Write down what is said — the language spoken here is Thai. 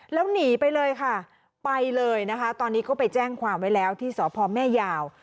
แล้วหนีไปเลยค่ะไปเลยนะคะตอนนี้ก็ไปแจ้งความไว้แล้วที่สพแม่ยาว